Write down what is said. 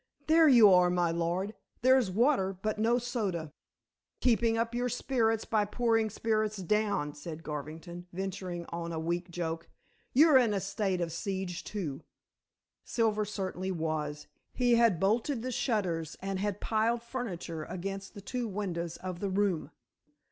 "There you are, my lord. There's water, but no soda." "Keeping up your spirits by pouring spirits down," said Garvington, venturing on a weak joke. "You're in a state of siege, too." Silver certainly was. He had bolted the shutters, and had piled furniture against the two windows of the room.